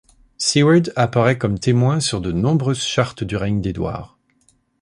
Siward apparaît comme témoin sur de nombreuses chartes du règne d'Édouard.